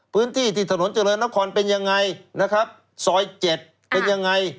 พื้นที่ที่ถนนเจริญนครเป็นยังไงนะครับซอย๗เป็นยังไง